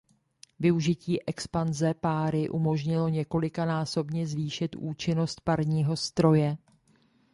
Využití expanze páry umožnilo několikanásobně zvýšit účinnost parního stroje.